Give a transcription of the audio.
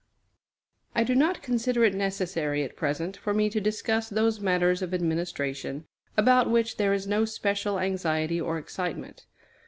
I do not consider it necessary, at present, for me to discuss those matters of administration about which there is no special anxiety or excitement.